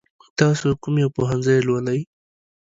تاسو کوم پوهنځی لولئ؟